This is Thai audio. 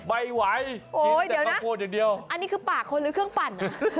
ไม่ไหวกินแต่ข้าวโพดอย่างเดียวโอ้เดี๋ยวนะอันนี้คือปากคนหรือเครื่องปั่น